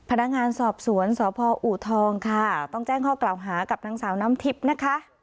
พนักงานสอบสวนสพอูทองค่ะต้องแจ้งข้อกล่าวหากับนางสาวน้ำทิพย์นะคะ